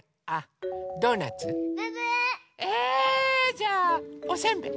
じゃあおせんべい。